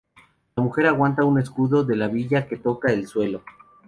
La mujer aguanta un escudo de la villa que toca el suelo.